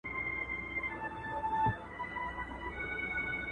ممتازه ټولنه د خپلو وګړو د فکري کچې ښکارندويي کوي.